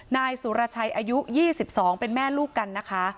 นายสุรชัยอายุ๒๒เป็นแม่ลูกกันนะคะ